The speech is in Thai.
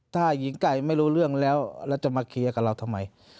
ถ้าหญิงไก่ไม่รู้เรื่องแล้วแล้วจะมาเคลียร์กับเราทำไม